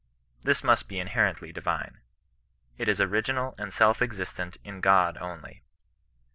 This must be inherently divine. It is original and self existent in God only.